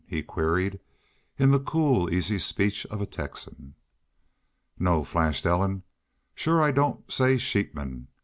he queried, in the cool, easy speech of a Texan. "No," flashed Ellen. "Shore I don't say sheepmen.